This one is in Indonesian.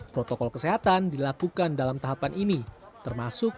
protokol kesehatan dilakukan dalam tahapan ini termasuk